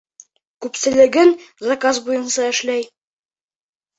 Күпселеген заказ буйынса эшләй.